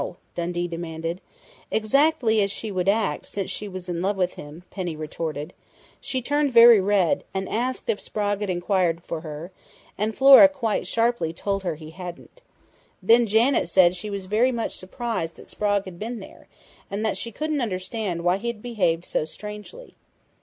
Dundee demanded. "Exactly as she would act, since she was in love with him," Penny retorted. "She turned very red, and asked if Sprague had inquired for her, and Flora quite sharply told her he hadn't. Then Janet said she was very much surprised that Sprague had been there, and that she couldn't understand why he had behaved so strangely.